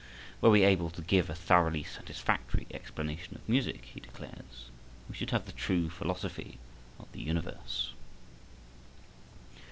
Were we able to give a thoroughly satisfactory explanation of music, he declares, we should have the true philosophy of the universe.